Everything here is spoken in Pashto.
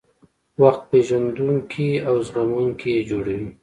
وخت پېژندونکي او زغموونکي یې جوړوي.